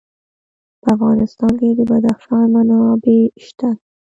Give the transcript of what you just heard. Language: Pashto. په افغانستان کې د بدخشان منابع شته.